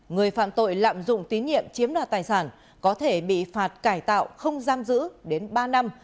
người phạm tội lạm dụng tín nhiệm chiếm đoạt tài sản có thể bị phạt cải tạo không giam giữ đến ba năm